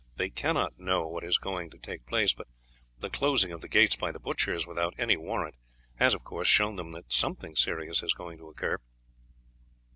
They cannot know what is going to take place, but the closing of the gates by the butchers without any warrant has, of course, shown them that something serious is going to occur."